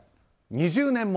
２０年物！